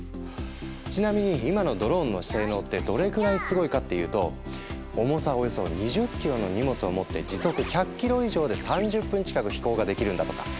ちなみに今のドローンの性能ってどれぐらいすごいかっていうと重さおよそ２０ｋｇの荷物を持って時速１００ｋｍ以上で３０分近く飛行ができるんだとか。